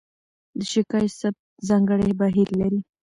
د شکایت ثبت ځانګړی بهیر لري.